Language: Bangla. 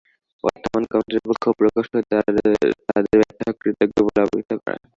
বর্তমান কমিটির ওপর ক্ষোভ প্রকাশ করে তাঁদের ব্যর্থ, অকৃতজ্ঞ বলে অবহিত করেন।